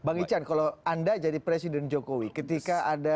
bang ican kalau anda jadi presiden jokowi ketika ada